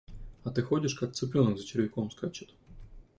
А ты ходишь, как цыпленок за червяком скачет.